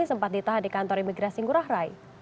sempat ditahan di kantor imigrasi ngurah rai